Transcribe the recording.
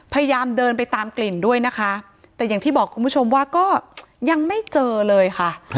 พยายามเดินไปตามกลิ่นด้วยนะคะแต่อย่างที่บอกคุณผู้ชมว่าก็ยังไม่เจอเลยค่ะ